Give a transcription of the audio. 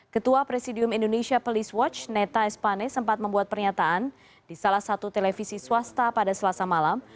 ketua presidium indonesia police watch neta espane sempat membuat pernyataan di salah satu televisi swasta pada selasa malam